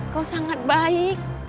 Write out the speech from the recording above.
kau sangat baik